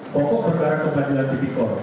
pokok perkara kembali dengan titik kor